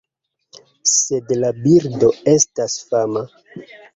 Sed la birdo estas fama.